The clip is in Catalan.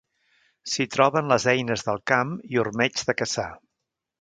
S'hi troben les eines del camp i ormeigs de caçar.